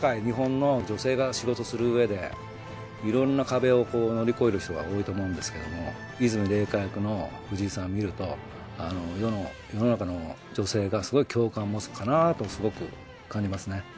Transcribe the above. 日本の女性が仕事するうえでいろんな壁を乗り越える人が多いと思うんですけども和泉玲香役の藤井さんを見ると世の中の女性がすごい共感を持つかなとすごく感じますね。